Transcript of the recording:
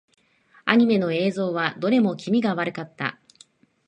アニメの映像はどれも気味が悪かった。